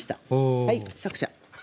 はい作者。